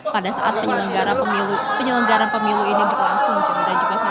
pada saat penyelenggaran pemilu ini berlangsung